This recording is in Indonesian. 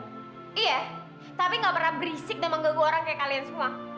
iya tapi gak pernah berisik sama ganggu orang kayak kalian semua